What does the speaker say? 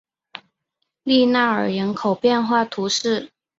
利纳尔人口变化图示